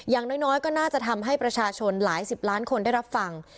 อย่างน้อยก็น่าจะทำให้ประชาชนหลายสิบล้านคนได้รับฟัง